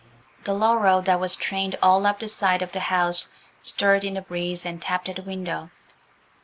The laurel that was trained all up that side of the house stirred in the breeze and tapped at the window.